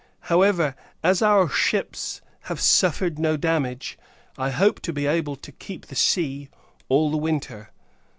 However, as our ships have suffered no damage, I hope to be able to keep the sea all the winter.